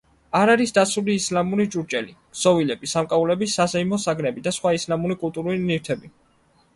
არ არის დაცული ისლამური ჭურჭელი, ქსოვილები, სამკაულები, საზეიმო საგნები და სხვა ისლამური კულტურული ნივთები.